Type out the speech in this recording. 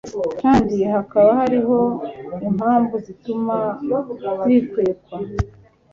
kandi hakaba hariho impamvu zituma bikekwa